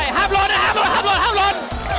ห้าบหลวนนะครับห้าบหลวนห้าบหลวน